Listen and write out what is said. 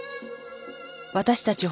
私たち